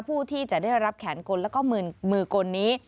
ผู้ที่จะได้รับแขนกลแล้วก็มือกลนี้